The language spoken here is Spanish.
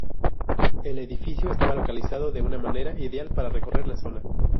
El edificio estaba localizado de una manera ideal para recorrer la zona.